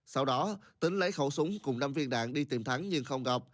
sau đó tính lấy khẩu súng cùng năm viên đạn đi tìm thắng nhưng không gặp